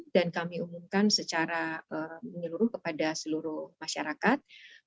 dan kami umumkan secara menyeluruh kepada seluruh masyarakat